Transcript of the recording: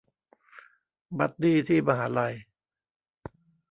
บัดดี้ที่มหาลัย